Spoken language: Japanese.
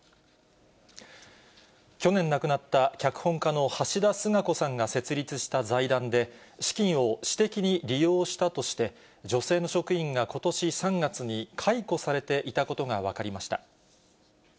去年亡くなった脚本家の橋田壽賀子さんが設立した財団で、資金を私的に利用したとして、女性の職員がことし３月に解雇されていたことが分かりました。